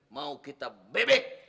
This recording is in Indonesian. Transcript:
mau kita bebek